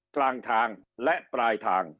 กลางทางและปลายทาง